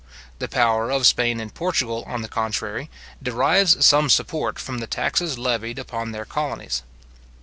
The power of Spain and Portugal, on the contrary, derives some support from the taxes levied upon their colonies.